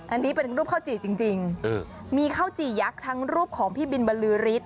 อันนี้เป็นรูปข้าวจี่จริงมีข้าวจี่ยักษ์ทั้งรูปของพี่บินบรรลือฤทธิ